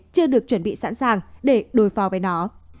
chưa được chuẩn bị sẵn sàng để đối phó với nó